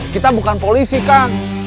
kita bukan polisi kang